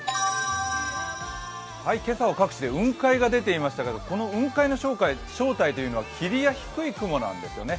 今朝は各地で雲海が出ていましたけれどもこの雲海の正体というのは霧や低い雲なんですね。